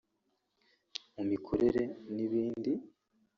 mu mikorere n’ibindi